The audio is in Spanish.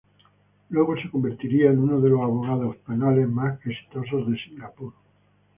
Luego, se convertiría en uno de los abogados penales más exitosos de Singapur.